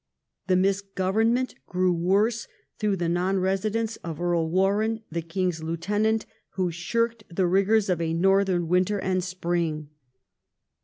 The misgovernment grew worse through the non resi dence of Earl Warenne, the king's lieutenant, who shirked the rigours of a northern winter and spring.